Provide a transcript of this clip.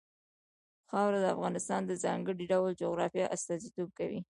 خاوره د افغانستان د ځانګړي ډول جغرافیه استازیتوب کوي.